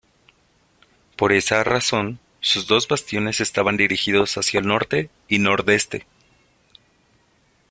Por esa razón, sus dos bastiones estaban dirigidos hacia el Norte y Nordeste.